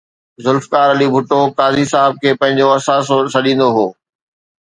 ذوالفقار علي ڀٽو قاضي صاحب کي پنهنجو اثاثو سڏيندو هو